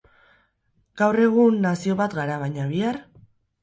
Gaur egun nazio bat gara, baina bihar?